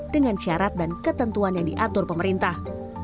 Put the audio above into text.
dengan syarat dan ketentuan yang diatur pemerintah